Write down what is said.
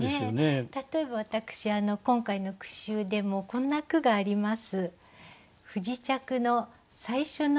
例えば私今回の句集でもこんな句があります。